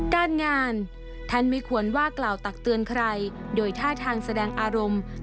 การงานท่านไม่ควรว่ากล่าวตักเตือนใครโดยท่าทางแสดงอารมณ์